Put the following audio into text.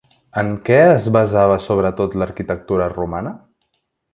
En què es basava sobretot l'arquitectura romana?